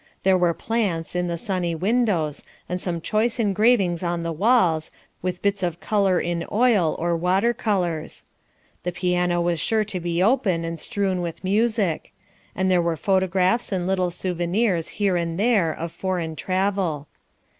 There were plants in the sunny windows and some choice engravings on the walls, with bits of color in oil or water colors; the piano was sure to be open and strewn with music; and there were photographs and little souvenirs here and there of foreign travel.